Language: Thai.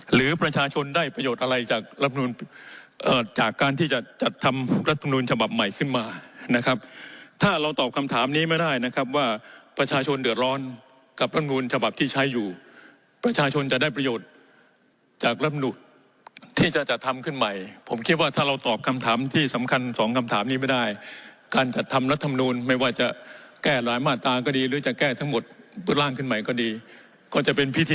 ๒๖๖๐หรือประชาชนได้ประโยชน์อะไรจากรัฐบุนจากการที่จะจัดทำรัฐบุนฉบับใหม่ขึ้นมานะครับถ้าเราตอบคำถามนี้ไม่ได้นะครับว่าประชาชนเดือดร้อนกับรัฐบุนฉบับที่ใช้อยู่ประชาชนจะได้ประโยชน์จากรัฐบุนที่จะจัดทำขึ้นใหม่ผมคิดว่าถ้าเราตอบคำถามที่สำคัญสองคำถามนี้ไม่ได้การจัดทำรัฐบุนไม่ว่าจะแก้